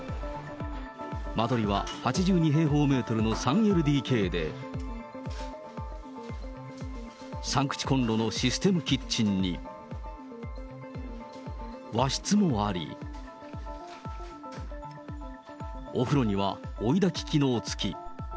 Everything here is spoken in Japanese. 間取りは８２平方メートルの３ＬＤＫで、３口コンロのシステムキッチンに、和室もあり、お風呂には追い炊き機能付き。